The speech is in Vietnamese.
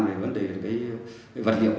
về vấn đề vật liệu